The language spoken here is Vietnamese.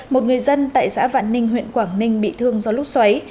một người dân tại xã vạn ninh huyện quảng ninh bị thương do lúc xoáy